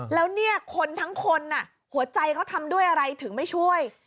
แล้วเนี่ยคนทั้งคนหัวใจเขาทำด้วยอะไรถึงไม่ช่วย